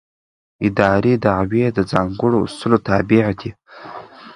اداري دعوې د ځانګړو اصولو تابع دي.